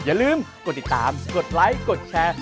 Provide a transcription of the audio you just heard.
อย่าลืมกดติดตามกดไลค์กดแชร์